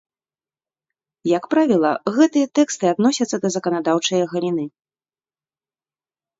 Як правіла, гэтыя тэксты адносяцца да заканадаўчае галіны.